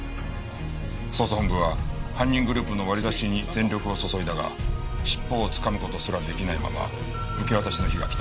捜査本部は犯人グループの割り出しに全力を注いだが尻尾をつかむ事すら出来ないまま受け渡しの日が来た。